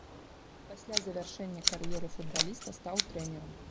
Пасля завяршэння кар'еры футбаліста стаў трэнерам.